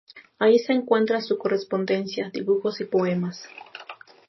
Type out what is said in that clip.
Ahí se encuentra su correspondencia, dibujos y poemas.